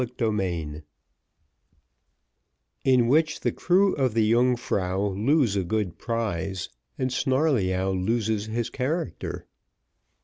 Chapter XV In which the crew of the Yungfrau lose a good prize, and Snarleyyow loses his character.